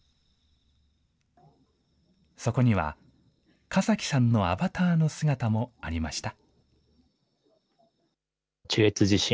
そこには加嵜さんのアバターの姿もありました。